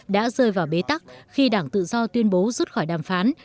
đã rơi vào bế tắc khi đảng tự do tuyên bố rút khỏi đàm phán